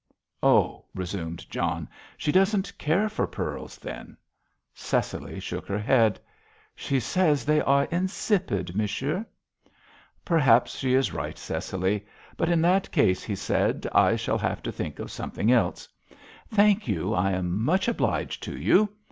"Oh," resumed John, "she doesn't care for pearls then?" Cecily shook her head. "She says they are insipid, monsieur." "Perhaps she is right, Cecily, but in that case," he said, "I shall have to think of something else. Thank you, I am much obliged to you."